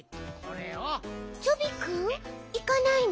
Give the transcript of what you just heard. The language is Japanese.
チョビくんいかないの？